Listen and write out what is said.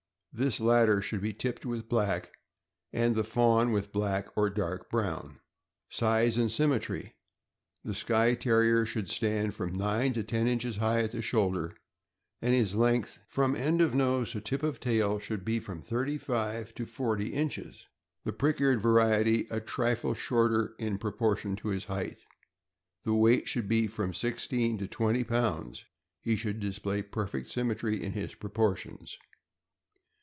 This latter should be tipped with black, and the fawn with black or dark brown. Size and symmetry. — The Skye Terrier should stand from nine to ten inches high at the shoulder, and his length from end of nose to tip of tail should be from thirty five to forty inches; the prick eared variety a trifle shorter in proportion to his height. The weight should be from six teen to twenty pounds. He should display perfect sym metry in his proportions.